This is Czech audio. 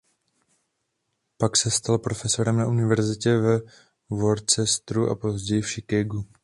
Pak se stal profesorem na universitě ve Worcesteru a později v Chicagu.